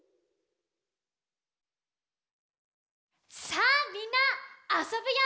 さあみんなあそぶよ！